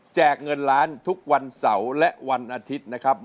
เงินล้านทุกวันเสาร์และวันอาทิตย์นะครับ